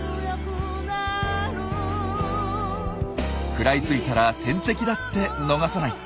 食らいついたら天敵だって逃さない。